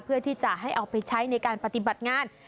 เพื่อที่จะให้เอาไปใช้ในการปฏิบัติงาน